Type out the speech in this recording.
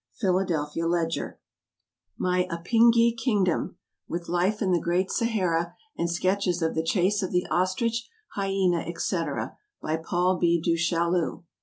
Philadelphia Ledger. My Apingi Kingdom: With Life in the Great Sahara, and Sketches of the Chase of the Ostrich, Hyena, &c. By PAUL B. DU CHAILLU.